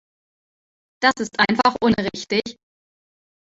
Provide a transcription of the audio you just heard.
Das ist einfach unrichtig.